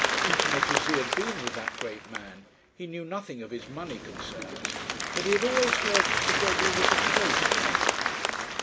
Intimate as he had been with that great man, he knew nothing of his money concerns; but he had always heard that Sir Gregory was a close man.